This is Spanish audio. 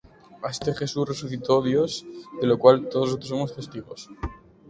A este Jesús resucitó Dios, de lo cual todos nosotros somos testigos.